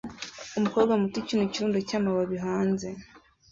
Umukobwa muto ukina ikirundo cyamababi hanze